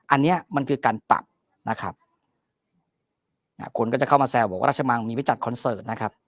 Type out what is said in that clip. อันนี้มันคือการปรับนะครับคนก็จะเข้ามาแซวบอกว่าราชมังมีไปจัดคอนเสิร์ตนะครับ